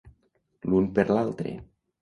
L'un per l'altre.